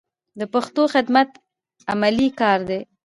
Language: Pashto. د پښتو خدمت علمي کار دی.